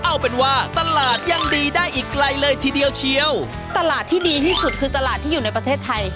เอาเป็นว่าตลาดยังดีได้อีกไกลเลยทีเดียวเชียวตลาดที่ดีที่สุดคือตลาดที่อยู่ในประเทศไทย